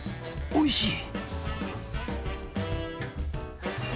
おいしい！